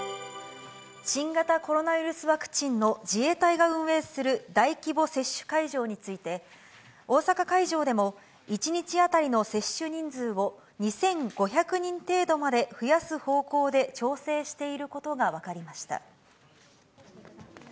新型コロナウイルスワクチンの、自衛隊が運営する大規模接種会場について、大阪会場でも、１日当たりの接種人数を２５００人程度まで増やす方向で調整していることが分かりました。